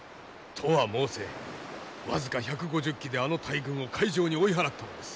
とは申せ僅か１５０騎であの大軍を海上に追い払ったのです。